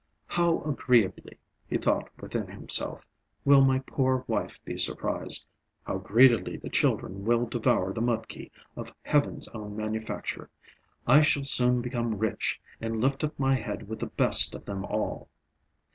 "How agreeably," he thought within himself, "will my poor wife be surprised! How greedily the children will devour the mudki of heaven's own manufacture! I shall soon become rich, and lift up my head with the best of them all."